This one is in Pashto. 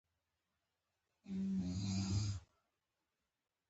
د هغوی مخونو زموږ ترحم نور هم ډېر کړ